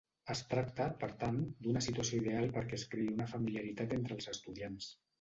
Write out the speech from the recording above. Es tracta, per tant, d'una situació ideal perquè es creï una familiaritat entre els estudiants.